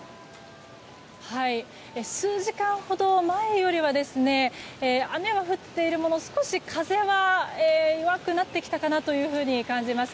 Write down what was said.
数時間ほど前よりは雨は降っているものの少し風は弱くなってきたかなと感じます。